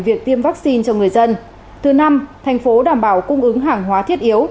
việc tiêm vaccine cho người dân thứ năm thành phố đảm bảo cung ứng hàng hóa thiết yếu